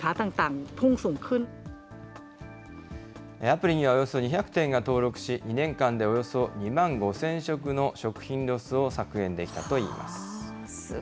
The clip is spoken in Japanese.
アプリにはおよそ２００店が登録し、２年間でおよそ２万５０００食の食品ロスを削減できたといいます。